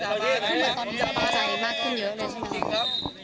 แต่ตอนนี้สบายใจมากขึ้นเยอะเลยใช่ไหม